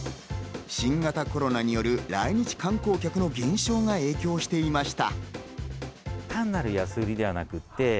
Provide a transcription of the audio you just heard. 新型コロナによる来日観光者の減少が影響していました。